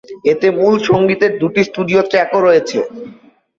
এতে মূল সঙ্গীতের দুটি স্টুডিও ট্র্যাকও রয়েছে।